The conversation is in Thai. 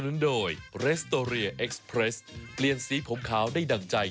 พูดถึงไฮโซรสแซ่บกันสิ